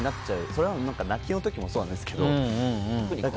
それは泣きの時もそうなんですけど。